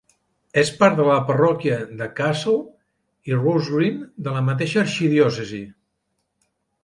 És part de la parròquia de Cashel i Rosegreen de la mateixa arxidiòcesi.